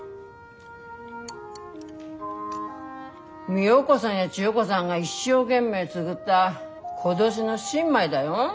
みよ子さんや千代子さんが一生懸命作った今年の新米だよ。